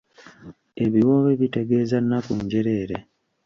Ebiwoobe bitegeeza nnaku njereere.